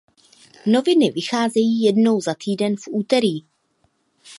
Noviny vycházejí jednou za týden v úterý.